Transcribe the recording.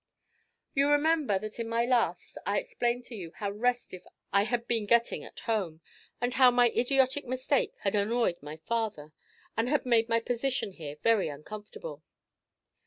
You remember that in my last I explained to you how restive I had been getting at home, and how my idiotic mistake had annoyed my father and had made my position here very uncomfortable.